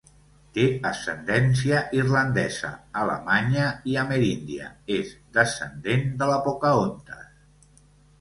Té ascendència irlandesa, alemanya i ameríndia, és descendent de la Pocahontas.